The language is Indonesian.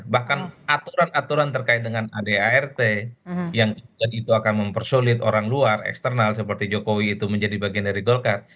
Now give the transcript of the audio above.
bahkan aturan aturan terkait dengan adart yang itu akan mempersulit orang luar eksternal seperti jokowi itu menjadi bagian dari golkar